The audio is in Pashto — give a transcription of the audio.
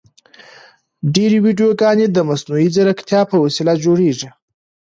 ډېرې ویډیوګانې د مصنوعي ځیرکتیا په وسیله جوړیږي.